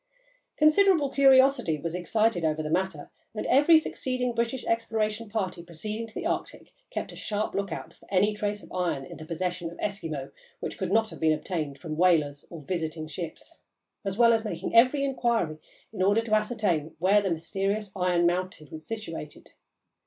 Considerable curiosity was excited over the matter, and every succeeding British exploration party proceeding to the Arctic kept a sharp lookout for any trace of iron in the possession of Eskimo which could not have been obtained from whalers or visiting ships, as well as making every inquiry in order to ascertain where the mysterious iron mountain was situated.